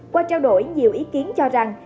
qua trao đổi nhiều ý kiến cho rằng